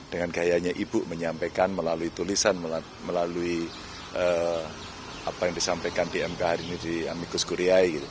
dengan gayanya ibu menyampaikan melalui tulisan melalui apa yang disampaikan di mk hari ini di amikus kuriai